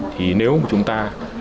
thì nếu chúng ta